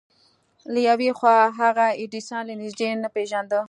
له يوې خوا هغه ايډېسن له نږدې نه پېژانده.